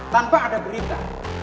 tanpa ada berita